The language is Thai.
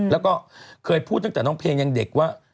แล้วก็เคยพูดตั้งแต่น้องเพลงยังเด็กว่า